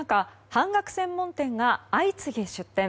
半額専門店が相次ぎ、出店。